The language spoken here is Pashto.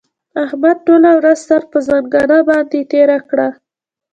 احمد ټوله ورځ سر پر ځنګانه باندې تېره کړه.